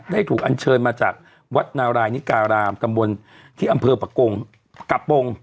ได้ถูกอัญเชิญมาจากวัดนาวรายนิการามตำวนที่อำเภอปะโกงกับองค์